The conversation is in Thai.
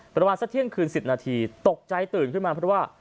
ประมาณสักเที่ยงคืน๑๐นาทีตกใจตื่นขึ้นมาเพราะว่า